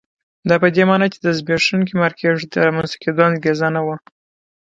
دا په دې معنی چې د زبېښونکي مارکېټ د رامنځته کېدو انګېزه نه وه.